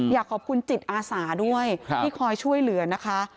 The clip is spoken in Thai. อยากขอบคุณจิตอาสาด้วยที่คอยช่วยเหลือนะคะ